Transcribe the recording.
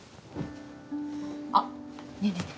あっねえねえね